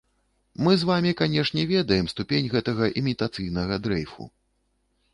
Мы з вамі, канешне, ведаем ступень гэтага імітацыйнага дрэйфу.